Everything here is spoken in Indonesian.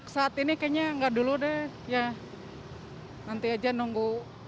saat ini kayaknya nggak dulu deh ya nanti aja nunggu